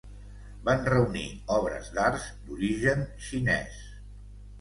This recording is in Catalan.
Van reunir obres d'arts d'origen xinès.